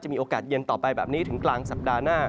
มีโอกาสเย็นต่อไปแบบนี้ถึงกลางสัปดาห์หน้า